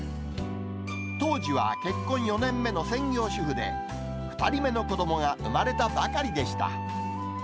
当時は結婚４年目の専業主婦で、２人目の子どもが生まれたばかりでした。